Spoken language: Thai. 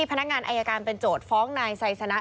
พนักงานอายการเป็นโจทย์ฟ้องนายไซสนะ